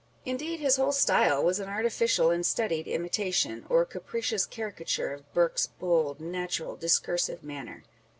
Indeed his whole style was an artificial and studied imitation, or capricious caricature of Burke's bold, natural, discursive manner.